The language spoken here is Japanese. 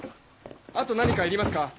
あと何かいりますか？